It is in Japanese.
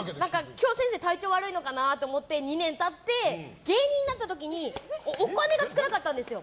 今日、先生体調悪いのかな？と思って２年後芸人になった時にお金が少なかったんですよ。